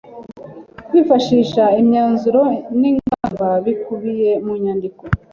Kwifashisha imyanzuro n ingamba bikubiye mu nyandiko